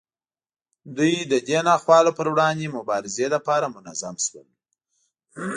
دوی د دې ناخوالو پر وړاندې مبارزې لپاره منظم شول.